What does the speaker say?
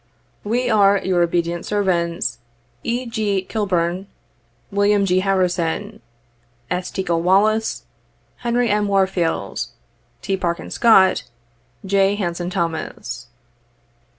" We are, your obedient servants, "E. G. Kixbourn, Wm. G. Harrison, S. Teackle Wallis, Henry M. Warfield, T. Parkin Scott, J. Hanson Tiiomas."